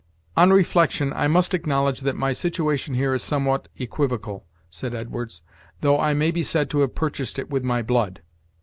"On reflection, I must acknowledge that my situation here is somewhat equivocal," said Edwards, "though I may be said to have purchased it with my blood."